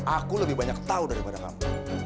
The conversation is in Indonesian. aku lebih banyak tahu daripada kamu